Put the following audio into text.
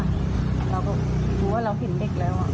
เราก็รู้ว่าเราเห็นเด็กแล้วอ่ะก็เป็นร่านเรา